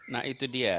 nah itu dia